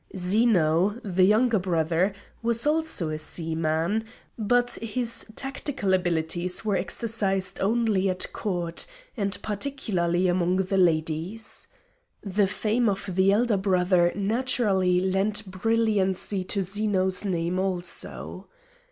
Zeno, the younger brother, was also a seaman, but his tactical abilities were exercised only at court, and particularly among the ladies. The fame of the elder brother naturally lent brilliancy to Zeno's name also.